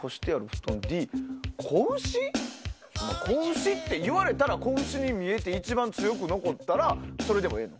仔牛っていわれたら仔牛に見えて一番強く残ったらそれでもええの？